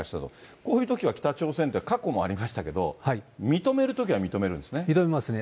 こういうときは北朝鮮って、過去もありましたけど、認めるときは認めますね。